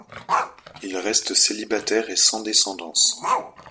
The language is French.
Il reste célibataire et sans descendance.